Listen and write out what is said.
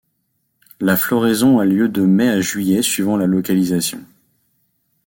La floraison a lieu de mai à juillet suivant la localisation.